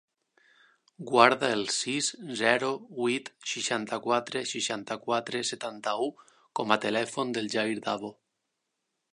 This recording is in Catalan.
Guarda el sis, zero, vuit, seixanta-quatre, seixanta-quatre, setanta-u com a telèfon del Jair Davo.